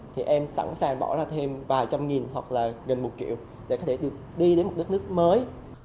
thì em sẵn sàng bỏ ra thêm vài trăm nghìn hoặc là gần một triệu để có thể được đi đến một đất nước mới